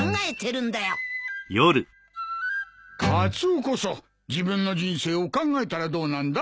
カツオこそ自分の人生を考えたらどうなんだ？